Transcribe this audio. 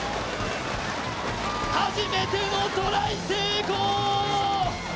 初めてのトライ成功！